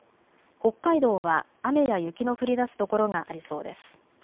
北海道は雨や雪の降りだす所がありそうです。